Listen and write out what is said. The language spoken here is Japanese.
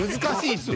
難しい。